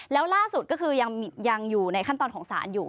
แล้วล่าสุดก็คือยังอยู่ในขั้นตอนของศาลอยู่